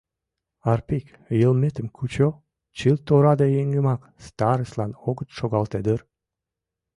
Арпик, йылметым кучо: чылт ораде еҥымак старыслан огыт шогалте дыр.